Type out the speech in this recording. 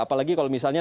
apalagi kalau misalnya